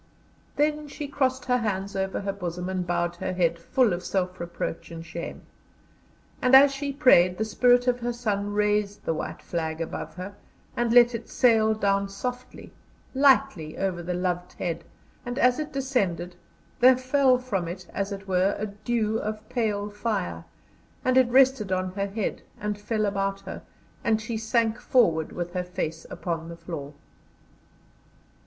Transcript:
Then she crossed her hands over her bosom, and bowed her head, full of self reproach and shame; and as she prayed, the spirit of her son raised the White Flag above her and let it sail down softly, lightly over the loved head, and as it descended there fell from it as it were a dew of pale fire, and it rested on her head, and fell about her, and she sank forward with her face upon the floor.